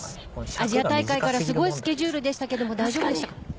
アジア大会からすごいスケジュールでしたけど大丈夫でしたか？